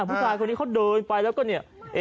ผู้ชายคนนี้เขาเดินไปแล้วก็เนี่ย